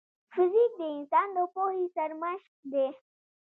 فزیک د انسان د پوهې سرمشق دی.